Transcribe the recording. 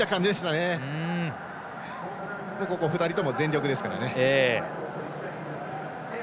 最後、２人とも全力ですから。